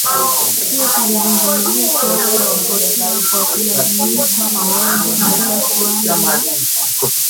Pia tulizungumzia suala la kupotea kwa kulazimishwa mauaji holela suala la